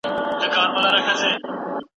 لارښود استاد له خپل شاګرد سره د مشر په څېر ځي.